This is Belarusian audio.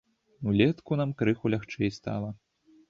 Улетку нам крыху лягчэй стала.